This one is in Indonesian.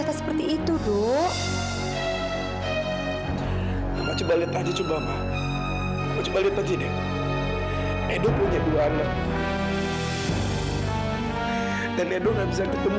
sampai jumpa di video selanjutnya